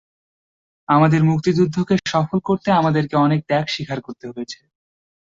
আমাদের মুক্তিযুদ্ধকে সফল করতে আমাদেরকে অনেক ত্যাগ স্বীকার করতে হয়েছে।